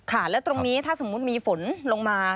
แล้วตรงนี้ถ้าสมมุติมีฝนลงมา